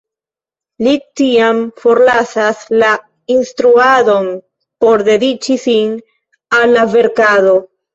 Li tiam forlasas la instruadon por dediĉi sin al la verkado.